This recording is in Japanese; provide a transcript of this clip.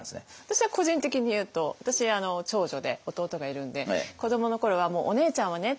私は個人的に言うと私長女で弟がいるんで子どもの頃は「お姉ちゃんはね」